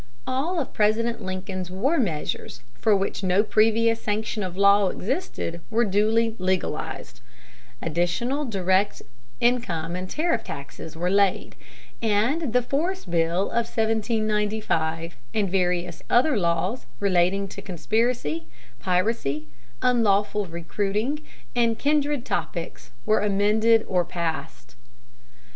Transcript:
All of President Lincoln's war measures for which no previous sanction of law existed were duly legalized; additional direct income and tariff taxes were laid; and the Force Bill of 1795, and various other laws relating to conspiracy, piracy, unlawful recruiting, and kindred topics, were amended or passed.